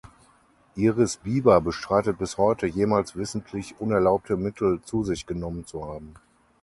Iris Biba bestreitet bis heute, jemals wissentlich unerlaubte Mittel zu sich genommen zu haben.